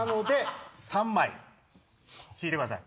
３枚引いてください。